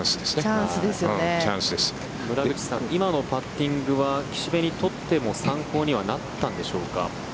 今のパッティングは岸部にとっても参考にはなったんでしょうか。